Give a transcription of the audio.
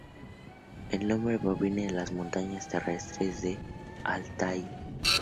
El nombre proviene de las montañas terrestres de Altái.